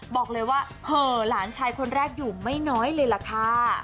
บอกเลยว่าเหอะหลานชายคนแรกอยู่ไม่น้อยเลยล่ะค่ะ